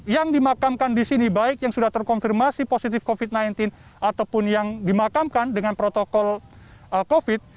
yang dimakamkan di sini baik yang sudah terkonfirmasi positif covid sembilan belas ataupun yang dimakamkan dengan protokol covid